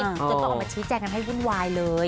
แต่ก็เอามาชี้แจกนั้นให้วึ่นวายเลย